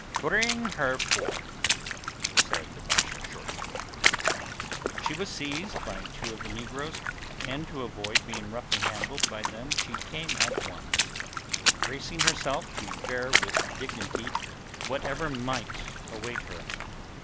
"Bring her forth," said the Basha shortly. She was seized by two of the negroes, and to avoid being roughly handled by them she came at once, bracing herself to bear with dignity whatever might await her.